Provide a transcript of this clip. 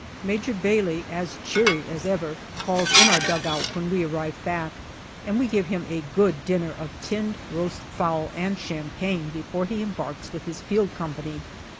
Major Bailey, as cheery as ever, calls in our dugout when we arrive back, and we give him a good dinner of tinned roast fowl and champagne before he embarks with his Field Company.